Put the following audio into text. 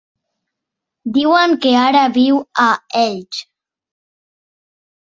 Diuen que ara viu a Elx.